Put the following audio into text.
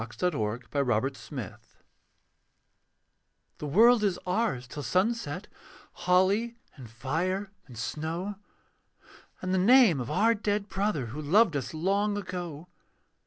THE SONG OF THE CHILDREN The World is ours till sunset, Holly and fire and snow; And the name of our dead brother Who loved us long ago.